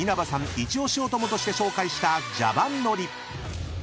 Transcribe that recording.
一押しおともとして紹介したジャバンのり］